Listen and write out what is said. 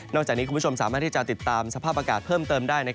จากนี้คุณผู้ชมสามารถที่จะติดตามสภาพอากาศเพิ่มเติมได้